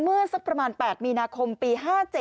สักประมาณ๘มีนาคมปี๕๗